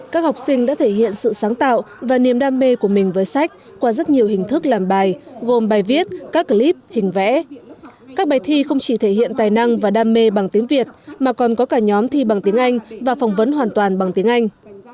các học sinh đã thể hiện sự sáng tạo và niềm đam mê của mình với sách qua rất nhiều hình thức làm bài gồm bài viết các clip hình vẽ các bài thi không chỉ thể hiện tài năng và đam mê bằng tiếng việt mà còn có cả nhóm thi bằng tiếng anh và phỏng vấn hoàn toàn bằng tiếng anh